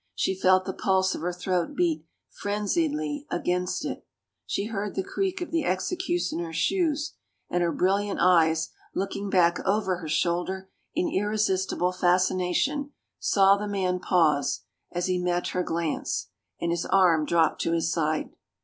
She felt the pulse of her throat beat frenziedly against it. She heard the creak of the executioner's shoes, and her brilliant eyes, looking back over her shoulder in irresistible fascina tion, saw the man pause, as he met her glance, and his arm drop to his side.